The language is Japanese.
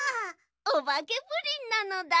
おばけプリンなのだ。